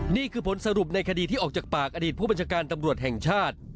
นี่คือผลสรุปในคดีที่ออกจากปากอดีตผู้บัญชาการตำรวจแห่งชาติ